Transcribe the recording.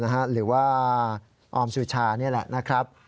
หรือว่าออมสุชานี่แหละนะครับ